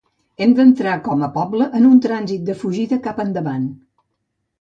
Hem entrat com a poble en un trànsit de fugida cap endavant.